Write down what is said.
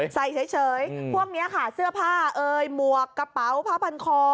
ใส่เฉยพวกนี้ค่ะเสื้อผ้าเอ่ยหมวกกระเป๋าผ้าพันคอ